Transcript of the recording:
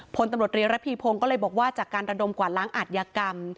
พลตำรวจรีระพีพงศ์ก็เลยบอกว่าจากการระดมกว่าล้างอาทยากรรม